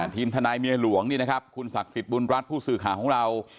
ทีมทนายเมียหลวงนี่นะครับคุณศักดิ์สิทธิบุญรัฐผู้สื่อข่าวของเรา